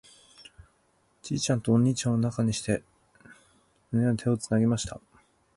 ちいちゃんとお兄ちゃんを中にして、四人は手をつなぎました。